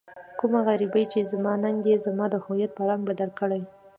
کومه غريبي چې زما ننګ يې زما د هويت په رنګ بدل کړی.